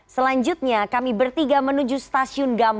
selanjutnya kami bertiga menuju stasiun gambir